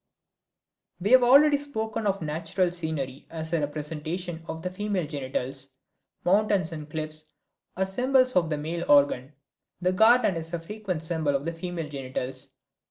We have already spoken of natural scenery as a representation of the female genitals. Mountains and cliffs are symbols of the male organ; the garden a frequent symbol of the female genitals.